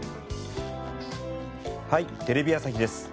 『はい！テレビ朝日です』